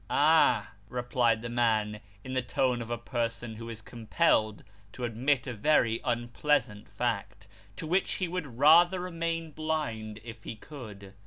" Ah !" replied the man, in the tone of a person who is compelled to admit a very unpleasant fact, to which he would rather remain blind, if he could.